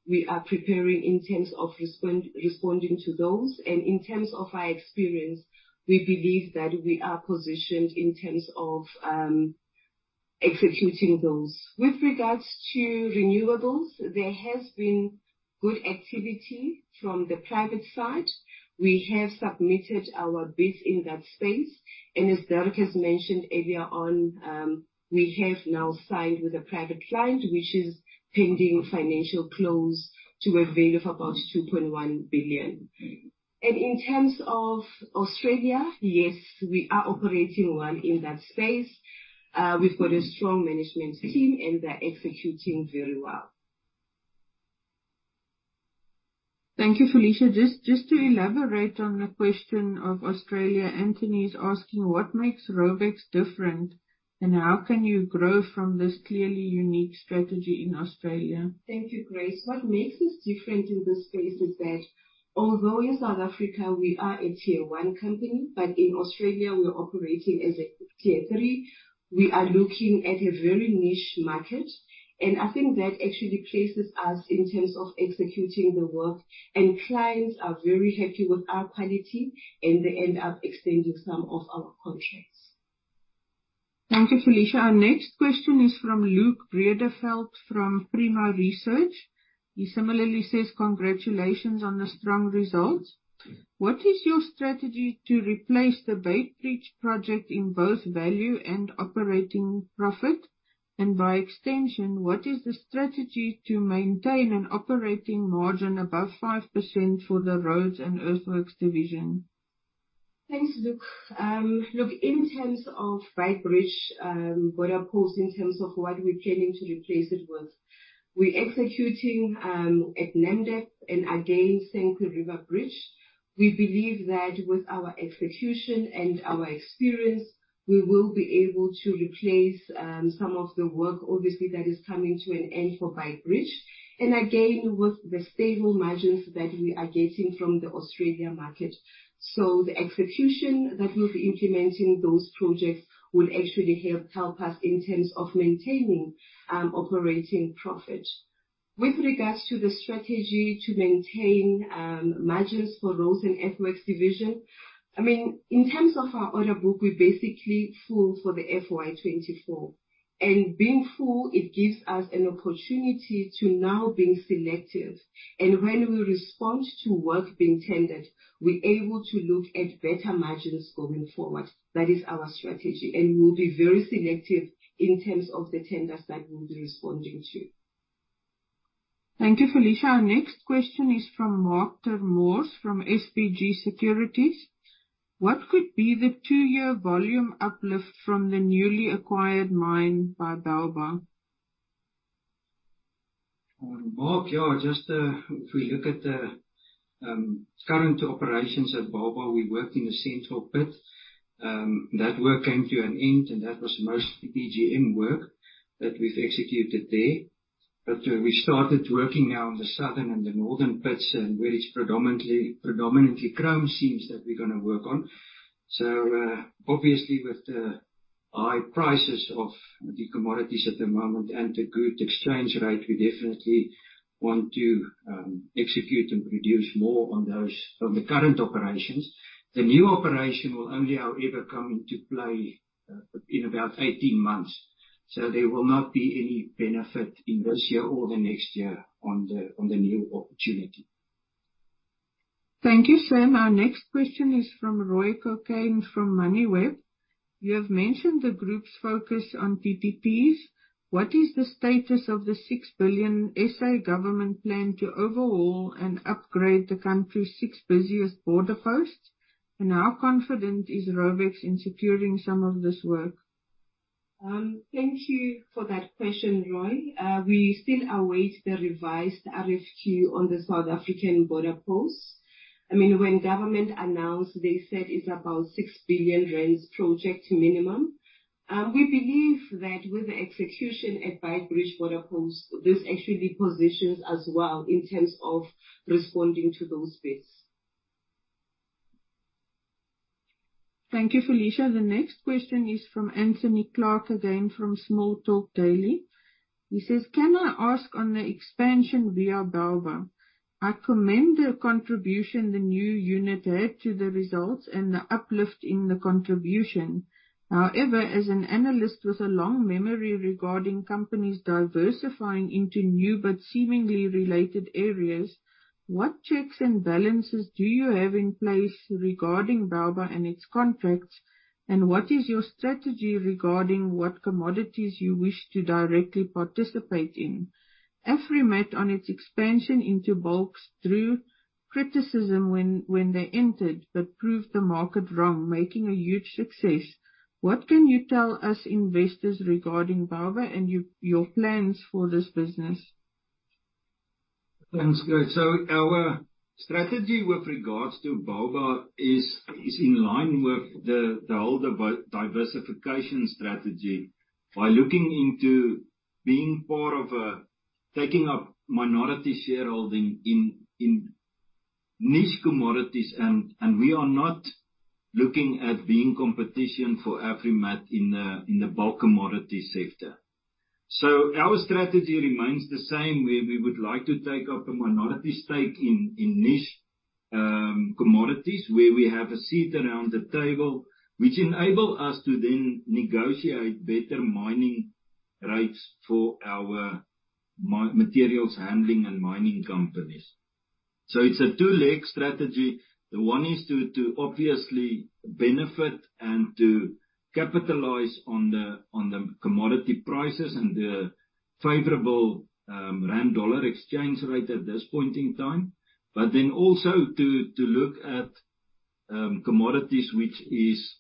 we are preparing in terms of responding to those. And in terms of our experience, we believe that we are positioned in terms of, executing those. With regards to renewables, there has been good activity from the private side. We have submitted our bids in that space, and as Dirk has mentioned earlier on, we have now signed with a private client, which is pending financial close, to a value of about 2.1 billion. And in terms of Australia, yes, we are operating well in that space. We've got a strong management team, and they're executing very well. Thank you, Felicia. Just to elaborate on the question of Australia, Anthony is asking: What makes Raubex different, and how can you grow from this clearly unique strategy in Australia? Thank you, Grace. What makes us different in this space is that although in South Africa we are a tier one company, but in Australia we are operating as a tier three. We are looking at a very niche market, and I think that actually places us in terms of executing the work, and clients are very happy with our quality, and they end up extending some of our contracts. Thank you, Felicia. Our next question is from Luke Bredell from Primo Research. He similarly says, "Congratulations on the strong results. What is your strategy to replace the Beitbridge project in both value and operating profit? And by extension, what is the strategy to maintain an operating margin above 5% for the roads and earthworks division? Thanks, Luke. Look, in terms of Beitbridge border post, in terms of what we're planning to replace it with, we're executing at Namdeb, and again, Senqu River Bridge. We believe that with our execution and our experience, we will be able to replace some of the work, obviously, that is coming to an end for Beitbridge, and again, with the stable margins that we are getting from the Australia market. So the execution that we'll be implementing those projects will actually help us in terms of maintaining operating profit. With regards to the strategy to maintain margins for roads and earthworks division, I mean, in terms of our order book, we're basically full for the FY 2024. And being full, it gives us an opportunity to now being selective. When we respond to work being tendered, we're able to look at better margins going forward. That is our strategy, and we'll be very selective in terms of the tenders that we'll be responding to. Thank you, Felicia. Our next question is from Mark ter Mors from SBG Securities. What could be the two-year volume uplift from the newly acquired mine by Bauba? Mark, yeah, just, if we look at the current operations at Bauba, we worked in the central pit. That work came to an end, and that was most of the PGM work that we've executed there. But we started working now on the southern and the northern pits, and where it's predominantly, predominantly chrome seams that we're gonna work on. So, obviously, with the high prices of the commodities at the moment and the good exchange rate, we definitely want to execute and produce more on those from the current operations. The new operation will only, however, come into play in about 18 months, so there will not be any benefit in this year or the next year on the new opportunity. Thank you, Sam. Our next question is from Roy Cokayne from Moneyweb. You have mentioned the group's focus on PPPs. What is the status of the 6 billion SA government plan to overhaul and upgrade the country's six busiest border posts? And how confident is Raubex in securing some of this work? Thank you for that question, Roy. We still await the revised RFQ on the South African border posts. I mean, when government announced, they said it's about 6 billion rand project minimum. We believe that with the execution at Beitbridge Border Post, this actually positions us well in terms of responding to those bids. Thank you, Felicia. The next question is from Anthony Clark, again from Small Talk Daily. He says, "Can I ask on the expansion via Bauba? I commend the contribution the new unit had to the results and the uplift in the contribution. However, as an analyst with a long memory regarding companies diversifying into new but seemingly related areas, what checks and balances do you have in place regarding Bauba and its contracts, and what is your strategy regarding what commodities you wish to directly participate in? Afrimat, on its expansion into bulks, drew criticism when they entered, but proved the market wrong, making a huge success. What can you tell us investors regarding Bauba and your plans for this business? Thanks. So our strategy with regards to Bauba is in line with the whole diversification strategy. By looking into being part of taking up minority shareholding in niche commodities, and we are not looking at being competition for Afrimat in the bulk commodity sector. So our strategy remains the same, where we would like to take up a minority stake in niche commodities, where we have a seat around the table, which enable us to then negotiate better mining rates for our materials handling and mining companies. So it's a two-leg strategy. One is to obviously benefit and to capitalize on the commodity prices and the favorable rand dollar exchange rate at this point in time, but then also to look at commodities, which is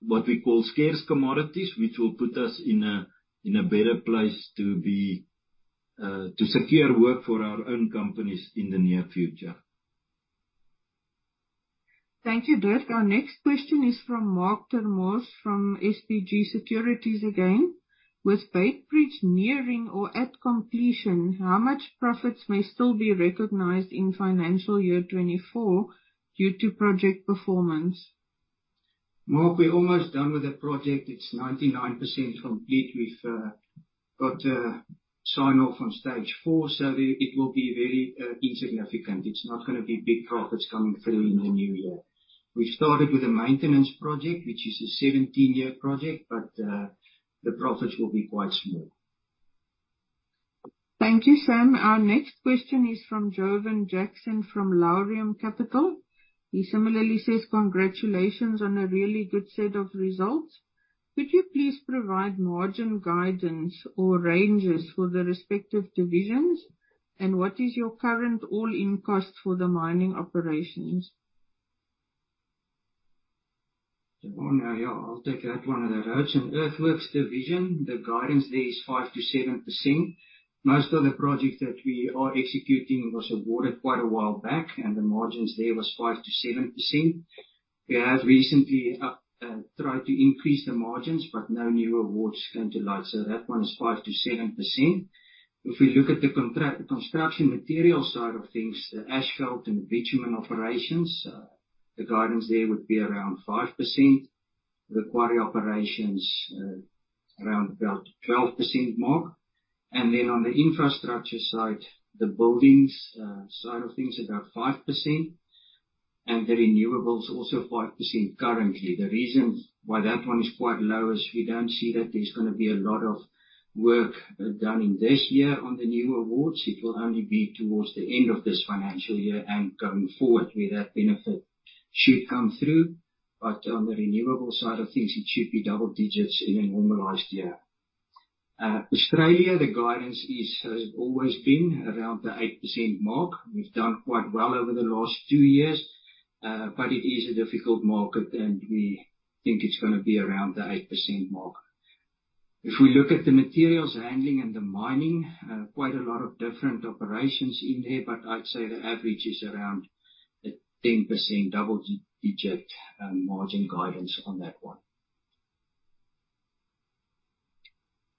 what we call scarce commodities, which will put us in a better place to secure work for our own companies in the near future. Thank you, Dirk. Our next question is from Mark ter Mors, from SBG Securities again. With Beitbridge nearing or at completion, how much profits may still be recognized in financial year 2024 due to project performance? Mark, we're almost done with the project. It's 99% complete. We've got a sign-off on stage four, so it will be very insignificant. It's not gonna be big profits coming through in the new year. We started with a maintenance project, which is a 17-year project, but the profits will be quite small. Thank you, Sam. Our next question is from Gavin Jackson, from Laurium Capital. He similarly says, "Congratulations on a really good set of results. Could you please provide margin guidance or ranges for the respective divisions, and what is your current all-in costs for the mining operations? Oh, now, yeah, I'll take that one. Roads and earthworks division, the guidance there is 5%-7%. Most of the projects that we are executing was awarded quite a while back, and the margins there was 5%-7%. We have recently up tried to increase the margins, but no new awards came to light, so that one is 5%-7%. If we look at the contract construction material side of things, the asphalt and bitumen operations, the guidance there would be around 5%. The quarry operations, around about 12% mark. And then on the infrastructure side, the buildings side of things, about 5%, and the renewables also 5% currently. The reason why that one is quite low is we don't see that there's gonna be a lot of work done in this year on the new awards. It will only be towards the end of this financial year and going forward, where that benefit should come through. But on the renewable side of things, it should be double digits in a normalized year. Australia, the guidance is, has always been around the 8% mark. We've done quite well over the last two years, but it is a difficult market, and we think it's gonna be around the 8% mark. If we look at the materials handling and the mining, quite a lot of different operations in there, but I'd say the average is around the 10%, double-digit, margin guidance on that one.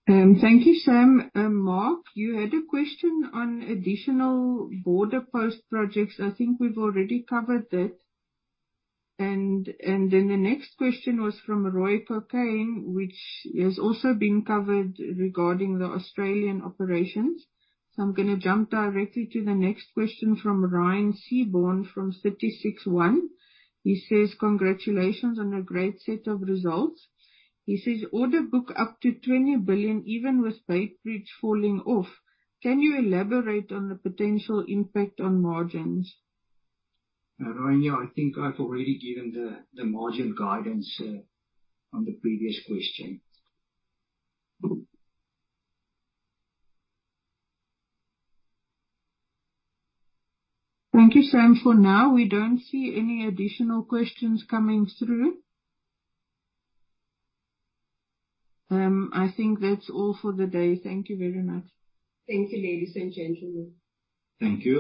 Thank you, Sam. Mark, you had a question on additional border post projects. I think we've already covered that. And then the next question was from Roy Cokayne, which has also been covered regarding the Australian operations. So I'm gonna jump directly to the next question from Ryan Seaborne, from 36ONE. He says, "Congratulations on a great set of results." He says, "Order book up to 20 billion, even with Beitbridge falling off. Can you elaborate on the potential impact on margins? Ryan, yeah, I think I've already given the, the margin guidance on the previous question. Thank you, Sam. For now, we don't see any additional questions coming through. I think that's all for the day. Thank you very much. Thank you, ladies and gentlemen. Thank you.